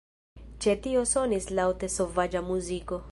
Ĉe tio sonis laŭte sovaĝa muziko.